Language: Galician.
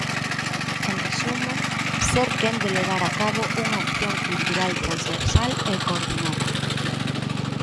En resumo, ser quen de levar a cabo unha acción cultural transversal e coordinada.